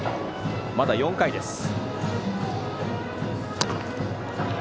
まだ４回です。